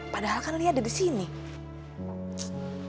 padahal lo nggak tersenyum